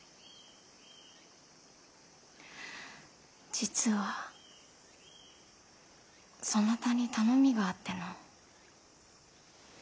実はそなたに頼みがあっての。